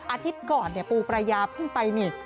อาทิตย์ก่อนปูปรายาเพิ่งไปนี่